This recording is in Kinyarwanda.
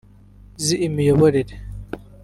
z’imiyoborere